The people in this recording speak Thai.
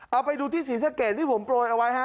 เอาไปดูที่ศรีสะเกดที่ผมโปรยเอาไว้ฮะ